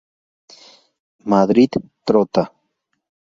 Madrid: Trotta.